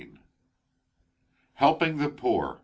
HELPING THE POOR.